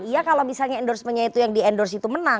iya kalau misalnya endorsementnya itu yang di endorse itu menang